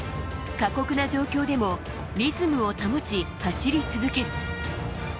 過酷な状況でもリズムを保ち走り続ける。